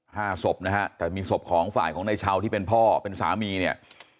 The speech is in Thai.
ห้าศพนะฮะแต่มีศพของฝ่ายของนายชาวที่เป็นพ่อเป็นสามีเนี่ย